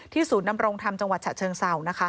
ที่สูตรนำรงธรรมจังหวัดฉะเชิงเศรา